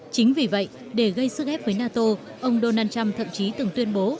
chính vì vậy để gây sức ép với nato ông donald trump thậm chí từng tuyên bố